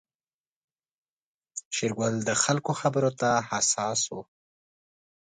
شېرګل د خلکو خبرو ته حساس و.